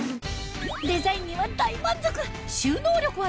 デザインには大満足